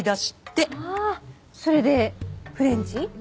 ああそれでフレンチ？